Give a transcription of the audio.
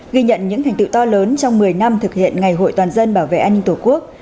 ghi nhận những thành tựu to lớn trong một mươi năm thực hiện ngày hội toàn dân bảo vệ an ninh tổ quốc